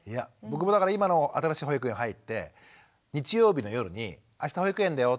僕も今の新しい保育園入って日曜日の夜に「あした保育園だよ」